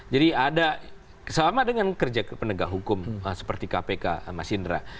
jadi ada sama dengan kerja penegak hukum seperti kpk mas indra